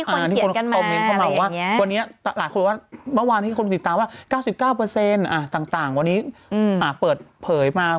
เมื่อวานที่คนติดตามว่า๙๙ต่างวันนี้เปิดเผยมา